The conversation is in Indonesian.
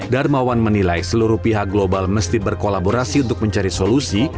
darmawan menilai seluruh pihak global mesti berkolaborasi untuk mencari solusi